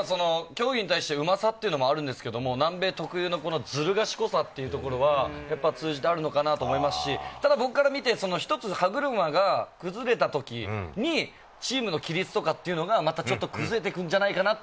競技に対して、うまさもあるんですけれども、南米特有のずる賢さというところも通じてあるのかなと思いますし、僕から見て、１つ歯車が崩れたときにチームの規律とか、崩れてくるんじゃないかなって。